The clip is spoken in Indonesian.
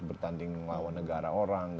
bertanding lawan negara orang